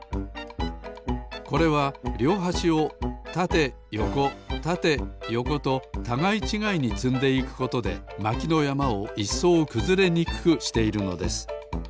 これはりょうはしをたてよこたてよことたがいちがいにつんでいくことでまきのやまをいっそうくずれにくくしているのです。